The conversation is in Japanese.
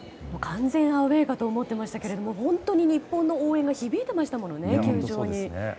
完全アウェーかと思ってましたけれども本当に日本の応援が響いていましたよね、球場に。